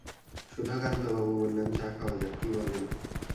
সুধাকান্তবাবু বললেন, চা খাওয়া যাক, কি বলেন?